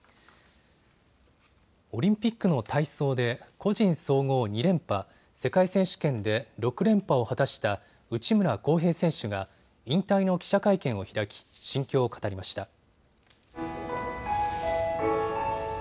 オリンピックの体操で個人総合２連覇、世界選手権で６連覇を果たした内村航平選手が引退の記者会見を開き心境を語りました。